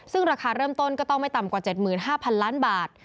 ซึ่งราคาเริ่มต้นก็ต้องไม่ต่ำกว่า๗๕๐๐๐ล้านบาท